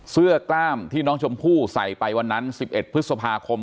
เสื้อกล้ามที่น้องชมพู่ใส่ไปวันนั้น๑๑พฤษภาคม